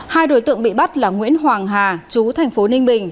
hai đối tượng bị bắt là nguyễn hoàng hà chú thành phố ninh bình